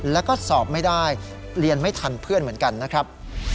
แล้วก็สอบไม่ได้เรียนไม่ทันเพื่อนเหมือนกันนะครับ